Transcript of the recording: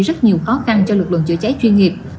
rất nhiều khó khăn cho lực lượng chữa cháy chuyên nghiệp